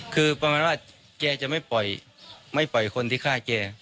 คือประมาณว่าแกจะไม่ปล่อยคนที่ฆ่าแก